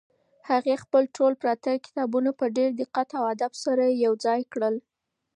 هغې خپل ټول پراته کتابونه په ډېر دقت او ادب سره یو ځای کړل.